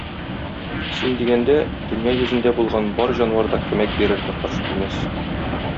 Син дигәндә, дөнья йөзендә булган бар җанвар да көмәк бирергә каршы килмәс.